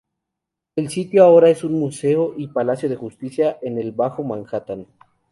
El sitio ahora es un museo y palacio de justicia en el Bajo Manhattan.